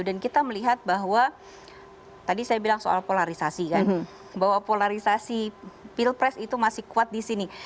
dan kita melihat bahwa tadi saya bilang soal polarisasi kan bahwa polarisasi pilpres itu masih kuat di sini